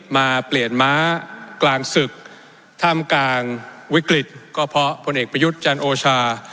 มาเปลี่ยนม้ากลางศึกท่ามกลางวิกฤตก็เพราะผลเอกประยุทธ์จันโอชา